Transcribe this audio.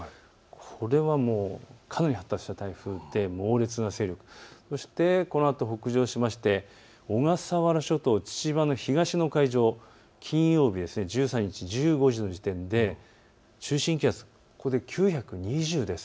これはかなり発達した台風で猛烈な勢力、そしてこのあと北上して小笠原諸島父島の東の海上、金曜日１３日、１５時の時点で中心気圧９２０です。